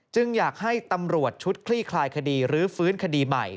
อยากให้ตำรวจชุดคลี่คลายคดีรื้อฟื้นคดีใหม่